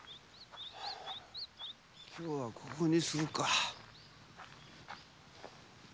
今日はここにするか。